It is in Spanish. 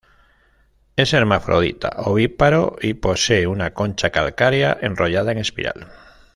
Es hermafrodita, ovíparo y posee una concha calcárea enrollada en espiral.